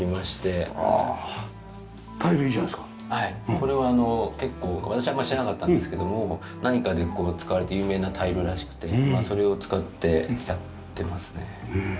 これは結構私はあんまり知らなかったんですけども何かで使われて有名なタイルらしくてそれを使ってやってますね。